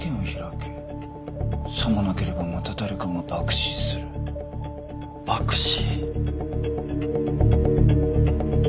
「さもなければまた誰かが爆死する」爆死。